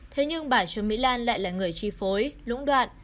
thế nhưng bà trương mỹ lan lại là người chi phối lũng đoạn